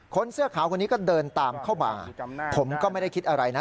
เสื้อขาวคนนี้ก็เดินตามเข้ามาผมก็ไม่ได้คิดอะไรนะ